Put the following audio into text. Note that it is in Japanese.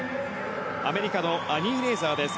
アメリカのアニー・レイザーです。